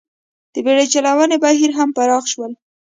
د بېړۍ چلونې بهیر هم پراخ شول.